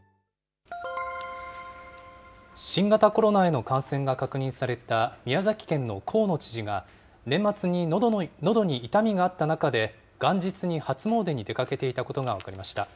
新型コロナへの感染が確認された宮崎県の河野知事が、年末にのどに痛みがあった中で、元日に初詣に出かけていたことが分かりました。